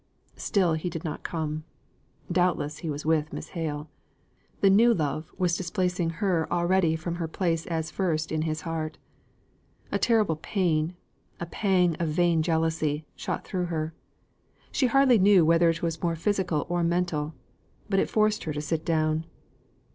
Still he did not come. Doubtless he was with Miss Hale. The new love was displacing her already from her place as first in his heart. A terrible pain a pang of vain jealousy shot through her: she hardly knew whether it was more physical or mental; but it forced her to sit down.